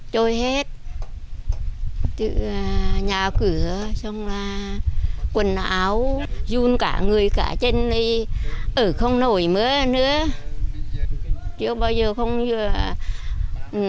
trôi hết từ nhà cửa xong là quần áo run cả người cả trên đây ở không nổi mớ nữa chưa bao giờ không lũ như thế này đâu